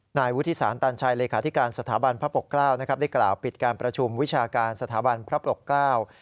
นายวุฒิสารตันชัยเลขาธิการสถาบันพระปกเกล้านะครับได้กล่าวปิดการประชุมวิชาการสถาบันพระปกเกล้า